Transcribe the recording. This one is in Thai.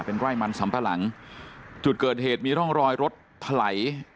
เป็นไร่มันสำปะหลังจุดเกิดเหตุมีร่องรอยรถถลาย